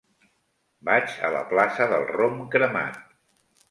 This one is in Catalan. Vaig a la plaça del Rom Cremat.